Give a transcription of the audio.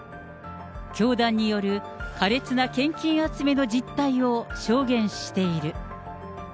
教団によるかれつな献金集めの実態を証言している。